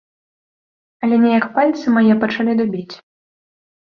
Але неяк пальцы мае пачалі дубець.